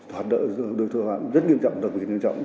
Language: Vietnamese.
hoạt động tội phạm rất nghiêm trọng đặc biệt nghiêm trọng